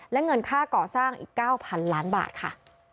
และเงินค่าก่อสร้างอีก๙๐๐๐ล้านบาทค่ะ